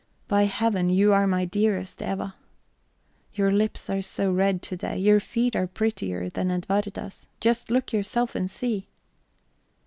By Heaven, you are my dearest, Eva! Your lips are so red to day. Your feet are prettier than Edwarda's just look yourself and see."